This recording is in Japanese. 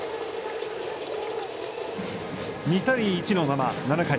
２対１のまま、７回。